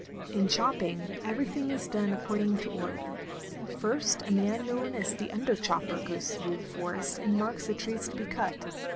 In chopping, everything is done according to order. First, a man known as the underchopper goes through the forest and marks the trees to be cut.